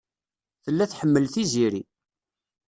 Tella tḥemmel Tiziri.